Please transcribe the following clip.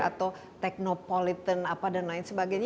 atau teknopolitan apa dan lain sebagainya